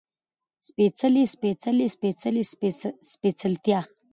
سپېڅلی، سپېڅلې، سپېڅلي، سپېڅلتيا